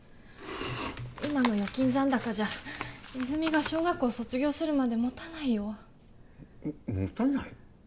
今の預金残高じゃ泉実が小学校卒業するまでもたないよもたない？